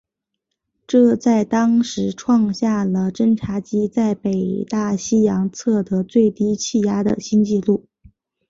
这在当时创下了侦察机在北大西洋测得最低气压的新纪录。